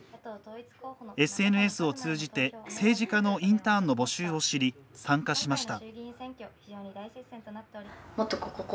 ＳＮＳを通じて政治家のインターンの募集を知り参加しました。